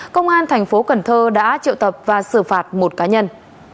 công an tp cn đã triệu tập và xử phạt một cá nhân